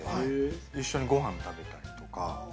一緒にごはん食べたりとか。